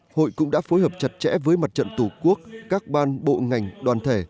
hội cũng đã phối hợp chặt chẽ với mặt trận tổ quốc các ban bộ ngành đoàn thể